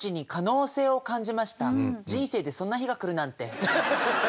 何か人生でそんな日が来るなんて。